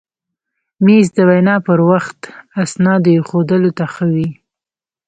مېز د وینا پر وخت اسنادو ایښودلو ته ښه وي.